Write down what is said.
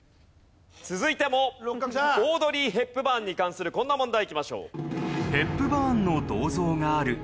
続いてもオードリー・ヘップバーンに関するこんな問題いきましょう。